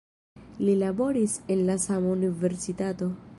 Li laboris en la sama universitato.